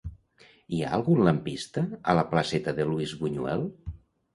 Hi ha algun lampista a la placeta de Luis Buñuel?